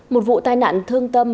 một vụ tai nạn thương tâm